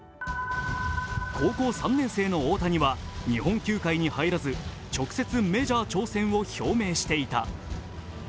高校３年生の大谷は日本球界に入らず直接メジャー挑戦を表明していた。